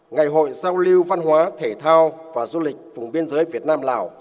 ngày hội giao lưu văn hóa thể thao và du lịch vùng biên giới việt nam lào